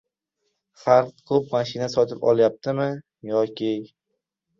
Xalq ko‘p mashina sotib olyaptimi yoki...